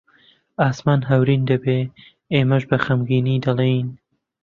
ئاسمان هەورین دەبێ، ئێمەش بە غەمگینی دەڵێین: